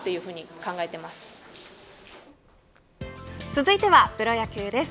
続いてはプロ野球です。